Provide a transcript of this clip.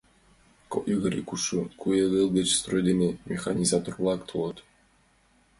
Кок йыгыре кушшо куэ вел гыч строй дене механизатор-влак толыт.